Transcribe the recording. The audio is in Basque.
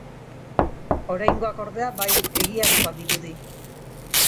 Oraingoak, ordea, bai, egiazkoa dirudi.